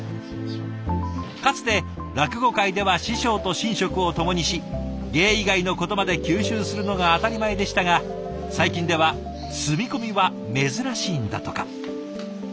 かつて落語界では師匠と寝食をともにし芸以外のことまで吸収するのが当たり前でしたが最近では住み込みは珍しいんだとか。